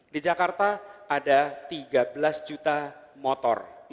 di jakarta ada tiga belas juta motor